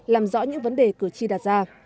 làm rõ những vấn đề cử tri đạt ra